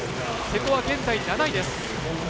瀬戸は現在、７位です。